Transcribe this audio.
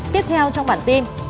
tiếp theo trong bản tin